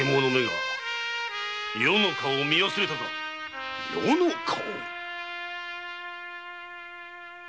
余の顔を見忘れたか「余の顔」？